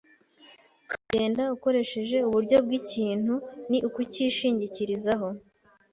kugenda ukoresheje uburyo bw'ikintu ni ukucyishingikirizaho.